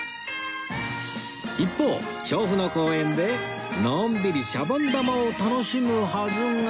一方調布の公園でのんびりシャボン玉を楽しむはずが